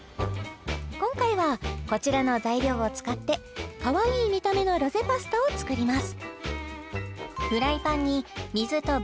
今回はこちらの材料を使ってかわいい見た目のロゼパスタを作ります